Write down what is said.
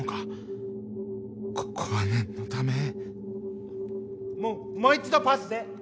ここは念のためももう一度パスで。